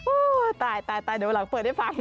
อู้วตายเดี๋ยวหลังเปิดให้ฟัง